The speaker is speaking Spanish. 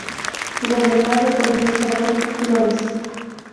Gobernado por Luis Adolfo Flores.